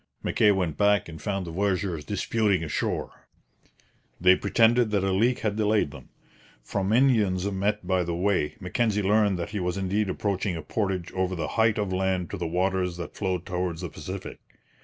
Mackay went back and found the voyageurs disputing ashore. They pretended that a leak had delayed them. From Indians met by the way, Mackenzie learned that he was indeed approaching a portage over the height of land to the waters that flowed towards the Pacific.